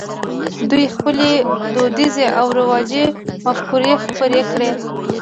دوی خپلې دودیزې او رواجي مفکورې خپرې کړې.